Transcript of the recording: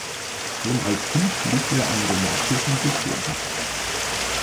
Schon als Kind litt er an rheumatischen Beschwerden.